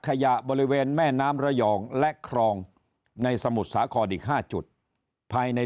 ขยะบริเวณแม่น้ำระยองและครองในสมุทรสาครอีก๕จุดภายใน